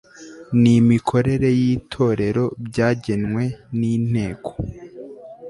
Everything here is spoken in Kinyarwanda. n imikorere y Itorero byagenwe n Inteko